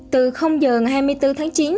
từ giờ ngày hai mươi bốn tháng chín